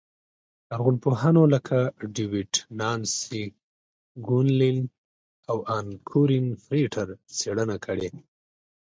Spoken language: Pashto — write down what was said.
لرغونپوهانو لکه ډېوېډ، نانسي ګونلین او ان کورېن فرېټر څېړنه کړې